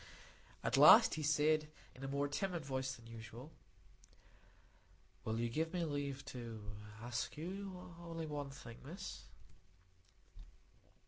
At last he said, in a more timid voice than usual,— "Will you give me leave to ask you only one thing, Miss?"